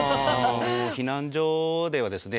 避難所ではですね